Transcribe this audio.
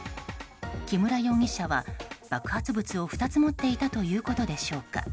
木村容疑者は爆発物を２つ持っていたということでしょうか。